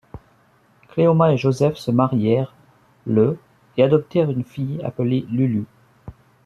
Cléoma et Joseph se marièrent le et adoptèrent une fille appelée Lulu.